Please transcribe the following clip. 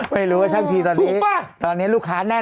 ไม่รู้ว่าช่างทีตอนนี้ลูกค้าแน่นแล้วอ่ะถูกป่ะ